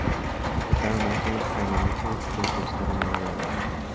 Estando en Oxford cae la noche y tiene que buscar un lugar donde dormir.